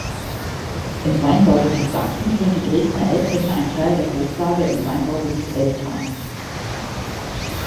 Im Weinbaugebiet Sachsen sind die Dresdner Elbhänge ein Teil der Großlage im Weinbaugebiet Elbtal.